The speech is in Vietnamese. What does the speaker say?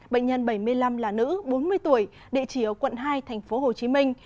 bệnh nhân bảy mươi năm là nữ bốn mươi tuổi địa chỉ ở quận hai thành phố hồ chí minh